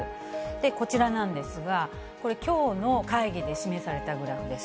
こちらなんですが、これ、きょうの会議で示されたグラフです。